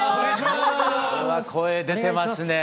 声出てますね。